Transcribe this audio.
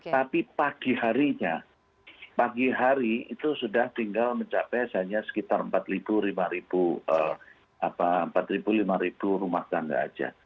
tapi pagi harinya pagi hari itu sudah tinggal mencapai hanya sekitar empat lima rumah tangga saja